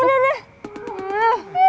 udah udah udah